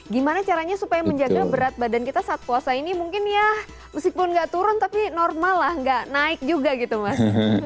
gimana caranya supaya menjaga berat badan kita saat puasa ini mungkin ya meskipun nggak turun tapi normal lah nggak naik juga gitu mas